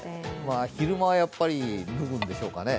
昼間はやっぱり脱ぐんでしょうかね？